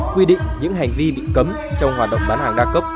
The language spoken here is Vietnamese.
quy định những hành vi bị cấm trong hoạt động bán hàng đa cấp